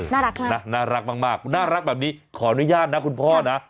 น่ารักมากนะน่ารักมากน่ารักแบบนี้ขออนุญาตนะคุณพ่อนะ